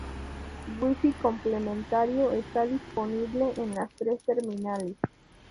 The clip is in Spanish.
Wi-Fi complementario está disponible en las tres terminales.